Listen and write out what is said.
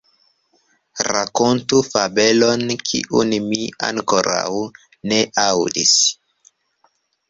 Rakontu fabelon, kiun mi ankoraŭ ne aŭdis.